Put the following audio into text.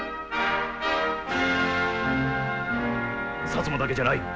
薩摩だけじゃない！